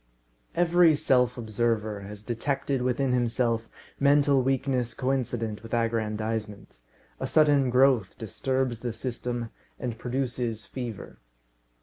Every self observer has detected within himself mental weakness coincident with aggrandisement. A sudden growth disturbs the system, and produces fever.